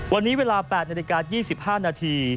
วันนี้เวลา๘นาฬิกา๒๕นาที